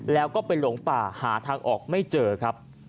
แล้วก็ไปหลงป่าหาทางออกไม่เจอครับ